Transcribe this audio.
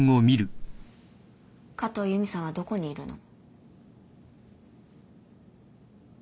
加藤由美さんはどこにいるの？